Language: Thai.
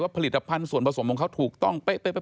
ผลิตภัณฑ์ส่วนผสมของเขาถูกต้องเป๊ะ